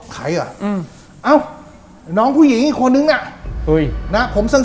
ใครอ่ะอืมเอ้าน้องผู้หญิงอีกคนนึงน่ะเฮ้ยนะผมเสนอ